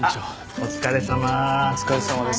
お疲れさまです。